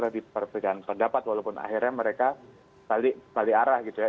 dan pendapat walaupun akhirnya mereka balik arah gitu ya